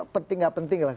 penting nggak penting lah